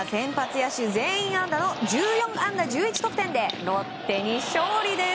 野手全員安打の１４安打１１得点でロッテに勝利です。